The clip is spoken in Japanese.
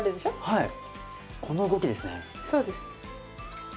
はい。